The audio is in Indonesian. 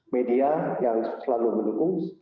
media yang selalu mendukung